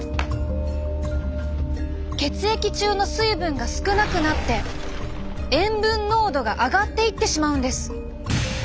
血液中の水分が少なくなって塩分濃度が上がっていってしまうんです。